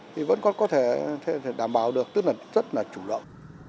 thì vẫn còn có thể đảm bảo được tức là rất là chủ động